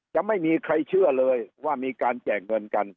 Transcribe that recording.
จะไม่มีใครเชื่อเลยว่ามีการแจกเงินกัน